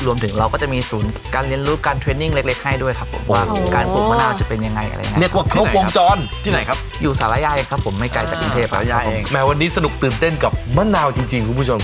รวมถึงเราก็จะมีศูนย์การเรียนรู้การ